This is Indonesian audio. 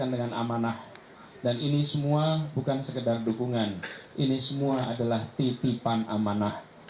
dan ini semua bukan sekedar dukungan ini semua adalah titipan amanah